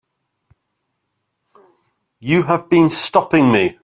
You have been stopping me.